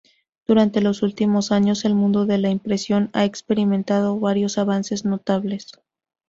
Durante los últimos años el mundo de la impresión ha experimentado varios avances notables.